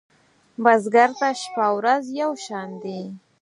بزګر ته شپه ورځ یو شان دي